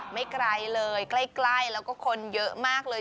ไม่ไกลเลยใกล้แล้วก็คนเยอะมากเลย